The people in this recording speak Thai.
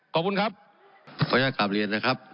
ขอบคุณครับพระเจ้ากราบเรียนนะครับ